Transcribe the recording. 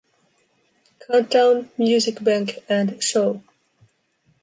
Countdown", "Music Bank" and "Show!